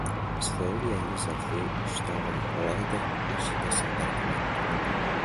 Isroil yangi zirhli StromRider mashinasini taqdim etdi